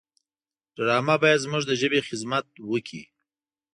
ډرامه باید زموږ د ژبې خدمت وکړي